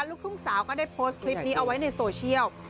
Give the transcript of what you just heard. ลูกทุ่งสาวก็ได้โพสต์คลิปนี้เอาไว้ในโซเชียล